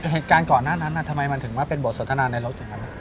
เห็นแล้วก่อนหน้านั้นทำไมมันถึงมาเป็นบ่สวรรษนาในรถอย่างนั้น